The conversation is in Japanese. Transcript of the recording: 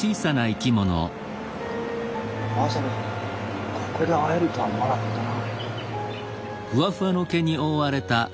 まさかここで会えるとは思わなかったな。